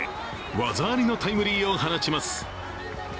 技ありのタイムリーを放ちます。